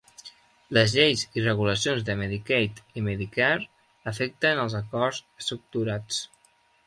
Les lleis i regulacions de Medicaid i Medicare afecten als acords estructurats.